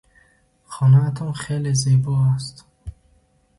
Хонаатон хеле зебо аст.